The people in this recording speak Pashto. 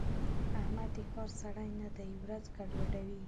احمد د کار سړی نه دی؛ ورځ ګوډوي.